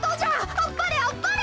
あっぱれあっぱれ！」。